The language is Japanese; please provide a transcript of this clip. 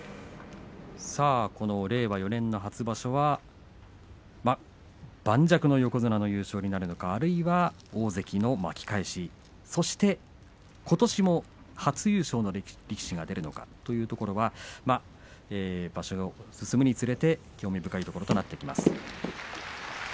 この令和４年の初場所は盤石な横綱の優勝になるのかあるいは大関の巻き返しそして、ことしも初優勝の力士が出るのかというところは場所が進むにつれて興味深いところになってきます。